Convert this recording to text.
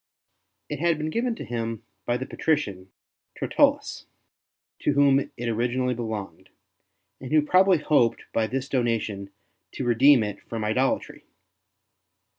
It had been given to him by the patrician Tertullus, to whom it originally belonged, ST. BENEDICT 55 and who probably hoped by this donation to redeem it from idolatry.